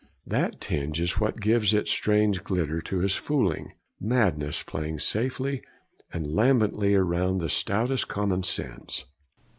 That tinge is what gives its strange glitter to his fooling; madness playing safely and lambently around the stoutest common sense.